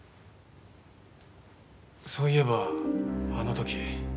そういえばあの時。